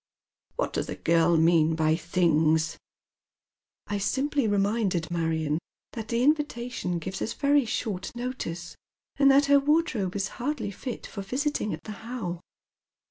" What does the girl mean by things ?"" I simply reminded Marion that the invitation gives us very short notice, and that her wardrobe is hardly fit for visiting at the How."